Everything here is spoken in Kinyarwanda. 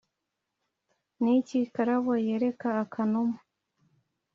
Ni iki Karabo yereka akanuma?